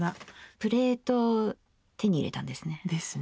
プレート手に入れたんですね。